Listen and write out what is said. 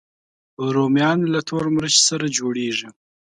رومیان له تور مرچ سره جوړېږي